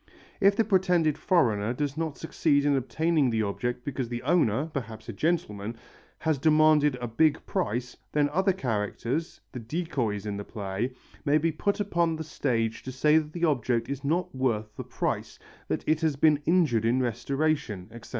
If the pretended foreigner does not succeed in obtaining the object because the owner, perhaps a gentleman, has demanded a big price, then other characters, the decoys in the play, may be put upon the stage to say that the object is not worth the price, that it has been injured in restoration, etc.